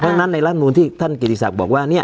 เพราะฉะนั้นในรัฐมนูลที่ท่านกิติศักดิ์บอกว่า